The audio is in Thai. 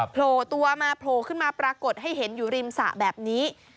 โผล่ตัวมาโผล่ขึ้นมาปรากฏให้เห็นอยู่ริมสระแบบนี้